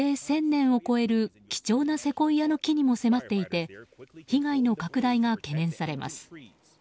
１０００年を超える貴重なセコイアの木にも迫っていて被害の拡大が懸念されます。